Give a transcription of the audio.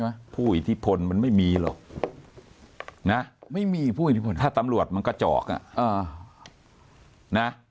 ไอ้ผู้อิทธิพลมันไม่มีหรอกไม่มีผู้อิทธิพลถ้าตำรวจมันก็เจาะ